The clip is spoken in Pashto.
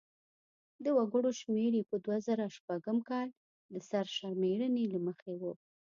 د وګړو شمیر یې په دوه زره شپږم کال د سرشمېرنې له مخې و.